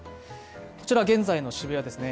こちら現在の渋谷ですね。